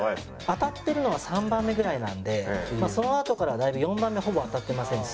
当たってるのが３番目ぐらいなんでそのあとからだいぶ４番目ほぼ当たってませんし。